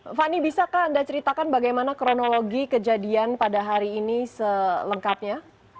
oke fani bisakah anda ceritakan bagaimana kronologi kejadian pada hari ini selengkapnya